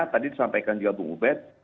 tadi disampaikan juga bung ubed